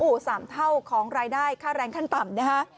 โอ้โห๓เท่าของรายได้ค่าแรงขั้นต่ำนะฮะ